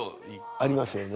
ありますね。